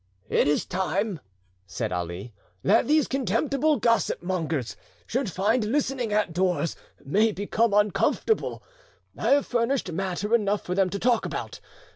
"It is time," said Ali, "that these contemptible gossip mongers should find listening at doors may become uncomfortable. I have furnished matter enough for them to talk about.